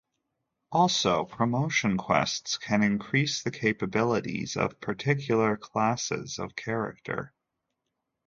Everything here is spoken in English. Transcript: Also, promotion quests can increase the capabilities of particular classes of character.